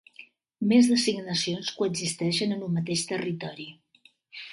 Més de cinc nacions coexisteixen en un mateix territori.